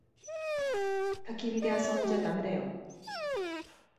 たき火で遊んじゃだめだよ。